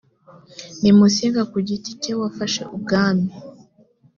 ni musinga ku giti ke wafashe ubwami